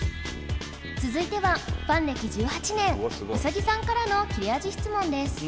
続いてはファン歴１８年うさぎさんからの切れ味質問です